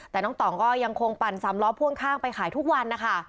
แต่น้องต่องก็ยังคงปั่นสามล้อพ่วงข้างไปขายทุกวันนะคะ